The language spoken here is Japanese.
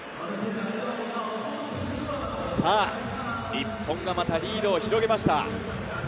日本がまたリードを広げました。